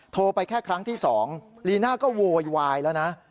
โทรไปแค่ครั้งที่๒ลีน่าก็โวยวายแล้วนะ